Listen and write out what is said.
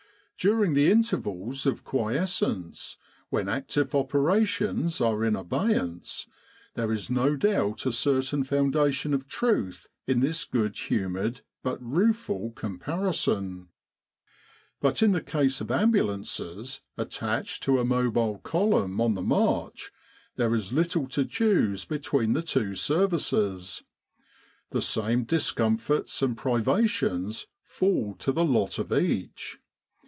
During the intervals of quiescence, when active operations are in abeyance, there is no doubt a certain foundation of truth in this good humoured but rueful comparison. But in the case of ambulances attached to a mobile column on the march, there is little to choose between the two Services. The same discomforts and priva tions fall to the lot of each.